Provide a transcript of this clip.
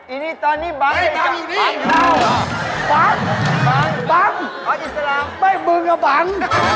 อีนี่ตอนนี้บังบังบังบังไม่มึงอ่ะบัง